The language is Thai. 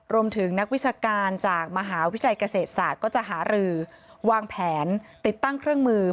นักวิชาการจากมหาวิทยาลัยเกษตรศาสตร์ก็จะหารือวางแผนติดตั้งเครื่องมือ